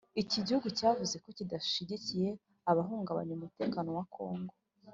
iki gihugu cyavuze ko kidashyigikiye abahungabanya umutekano wa congo